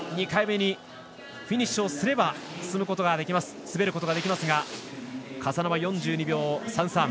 ２回目にフィニッシュをすれば進むことができますがカサノバ、４２秒３３。